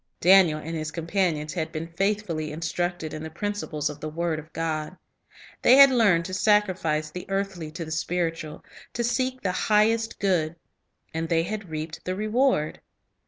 Daniel and his companions had been faithfully in structed in the principles of the word of God. They had learned to sacrifice the earthly to the spiritual, to seek the highest good. And they reaped the reward.